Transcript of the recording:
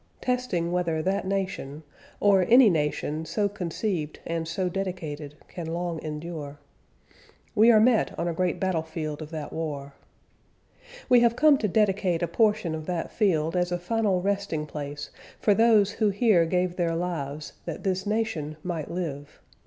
. .testing whether that nation, or any nation so conceived and so dedicated. .. can long endure. We are met on a great battlefield of that war. We have come to dedicate a portion of that field as a final resting place for those who here gave their lives that this nation might live.